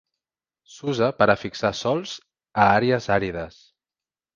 S'usa per a fixar sòls a àrees àrides.